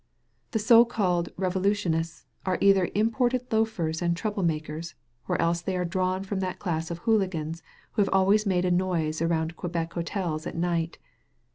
The so called revolutionists are either imported loafers and trouble makers, or else they are drawn from that dass of ''hooligans'' who have always made a noise around the Quebec hotels at night.